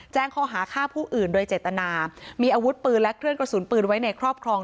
แจ้งข้อหาฆ่าผู้อื่นโดยเจตนามีอาวุธปืนและเครื่องกระสุนปืนไว้ในครอบครอง